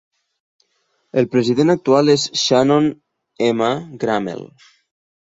El president actual és Shannon M. Grammel.